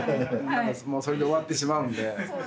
もうそれで終わってしまうんで。